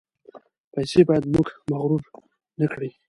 پیسې باید موږ مغرور نکړي.